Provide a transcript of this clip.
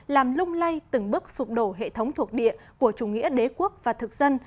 làm lung lay từng bước sụp đổ hệ thống thuộc địa của chủ nghĩa đế quốc và thực dân